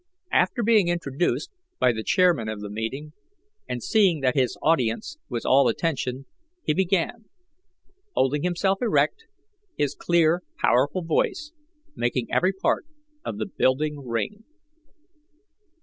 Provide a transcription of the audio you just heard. After being introduced by the chairman of the meeting, and seeing that his audience was all attention, he began, holding himself erect, his clear, powerful voice making every part of the building ring.